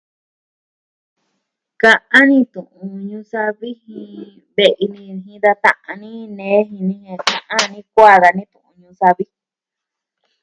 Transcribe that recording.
Ka'an ni tu'un ñuu savi jin ve'i ni jin da ta'an ni, nee jini e ni a ni kuaa dani tu'un ñuu savi.